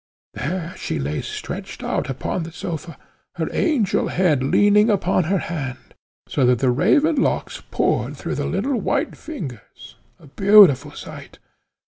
There she lay stretched out upon the sofa, her angel head leaning upon her hand, so that the raven locks poured through the little white fingers, a beautiful sight!